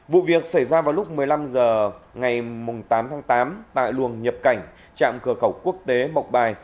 vụ việc xảy ra vào lúc một mươi năm h ngày tám tháng tám tại luồng nhập cảnh trạm cửa khẩu quốc tế mộc bài